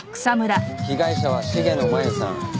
被害者は重野茉由さん